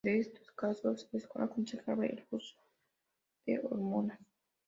En estos casos es aconsejable el uso de hormonas".